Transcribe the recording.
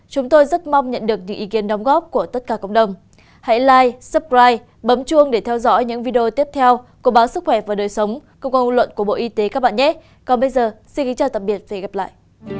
xin kính chào tạm biệt và hẹn gặp lại